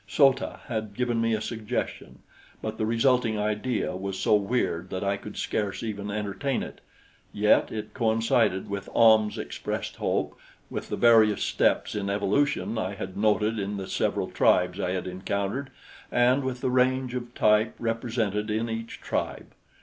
So ta had given me a suggestion; but the resulting idea was so weird that I could scarce even entertain it; yet it coincided with Ahm's expressed hope, with the various steps in evolution I had noted in the several tribes I had encountered and with the range of type represented in each tribe.